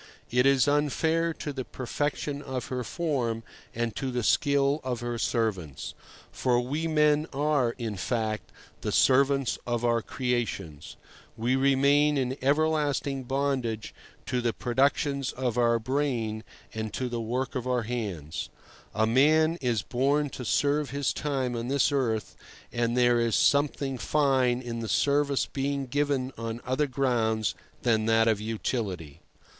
It is unfair to the perfection of her form and to the skill of her servants. For we men are, in fact, the servants of our creations. We remain in everlasting bondage to the productions of our brain and to the work of our hands. A man is born to serve his time on this earth, and there is something fine in the service being given on other grounds than that of utility.